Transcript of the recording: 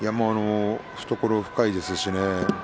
懐深いですしね。